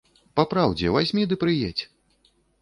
Папраўдзе, вазьмі ды прыедзь.